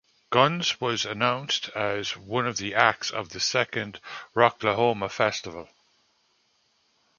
Guns was announced as one of the acts of the second Rocklahoma festival.